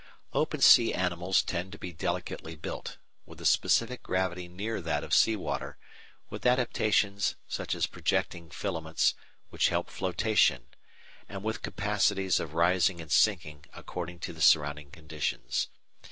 Open sea animals tend to be delicately built, with a specific gravity near that of the sea water, with adaptations, such as projecting filaments, which help flotation, and with capacities of rising and sinking according to the surrounding conditions.